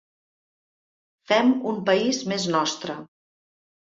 Fem un país més nostre.